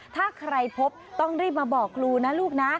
ถ้าใครพบต้องรีบมาบอกครูนะลูกนะ